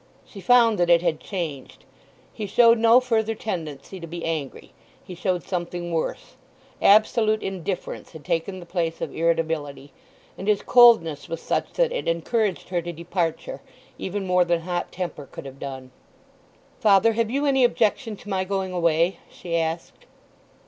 She found that it had changed. He showed no further tendency to be angry; he showed something worse. Absolute indifference had taken the place of irritability; and his coldness was such that it encouraged her to departure, even more than hot temper could have done. "Father, have you any objection to my going away?" she asked.